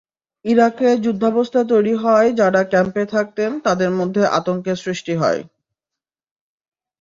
ইরাকে যুদ্ধাবস্থা তৈরি হওয়ায় যাঁরা ক্যাম্পে থাকতেন, তাঁদের মধ্যে আতঙ্কের সৃষ্টি হয়।